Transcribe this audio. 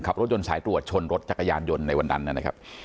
รถยนต์สายตรวจชนรถจักรยานยนต์ในวันนั้นนะครับ